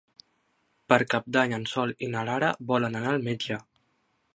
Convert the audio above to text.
Per Cap d'Any en Sol i na Lara volen anar al metge.